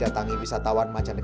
saya nyebut sade